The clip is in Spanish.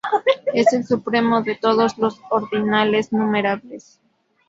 Es el supremo de todos los ordinales numerables.